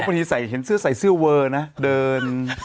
บางทีใส่เห็นเสื้อใส่เสื้อเวอร์นะเดิน